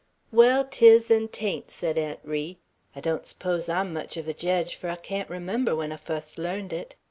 "Wall, 'tis, an' 'tain't," said Aunt Ri. "I don't s'pose I'm much of a jedge; fur I can't remember when I fust learned it.